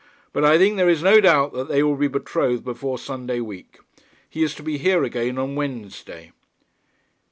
But I think there is no doubt that they will be betrothed before Sunday week. He is to be here again on Wednesday.'